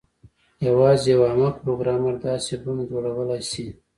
یوازې یو احمق پروګرامر داسې بم جوړولی شي